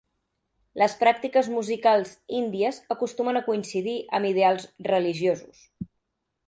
Les pràctiques musicals índies acostumen a coincidir amb ideals religiosos.